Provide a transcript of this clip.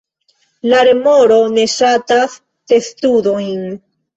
La remoro ne ŝatas testudojn.